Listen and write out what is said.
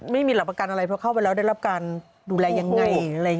ไม่มีหลักประกันอะไรเพราะเข้าไปแล้วได้รับการดูแลยังไง